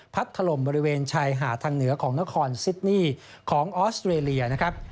ถล่มบริเวณชายหาดทางเหนือของนครซิดนี่ของออสเตรเลียนะครับ